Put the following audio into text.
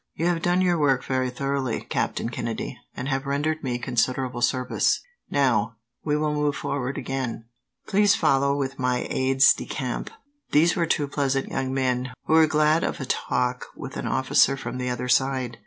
"You have done your work very thoroughly, Captain Kennedy, and have rendered me considerable service. Now, we will move forward again. Please follow with my aides de camp." These were two pleasant young men, who were glad of a talk with an officer from the other side.